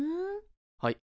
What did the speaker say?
はい。